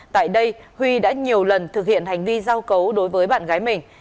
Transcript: tại đây huy đã nhiều lần thực hiện hành vi giao cấu đối với bạn gái mình